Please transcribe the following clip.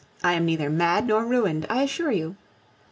I am neither mad nor ruined, I assure you.